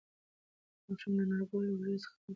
ماشوم د انارګل له اوږې څخه خپل سر پورته کړ.